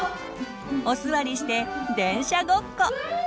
おすわりして電車ごっこ。